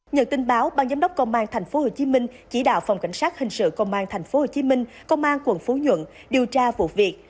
nhận tin báo ban giám đốc công an tp hcm chỉ đạo phòng cảnh sát hình sự công an tp hcm công an quận phú nhuận điều tra vụ việc